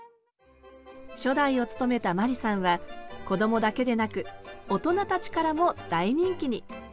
初代を務めた眞理さんはこどもだけでなく大人たちからも大人気に。